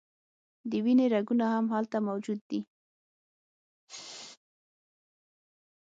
د وینې رګونه هم هلته موجود دي.